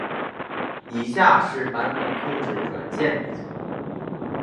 以下是版本控制软件比较。